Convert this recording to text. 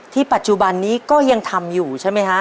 ปัจจุบันนี้ก็ยังทำอยู่ใช่ไหมฮะ